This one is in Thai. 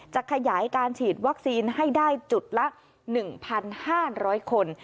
จะขยายการฉีดวัคซีนให้ได้จุดละ๑๕๐๐คน